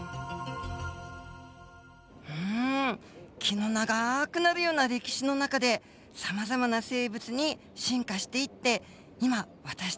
うん気の長くなるような歴史の中でさまざまな生物に進化していって今私たちもあるのですね。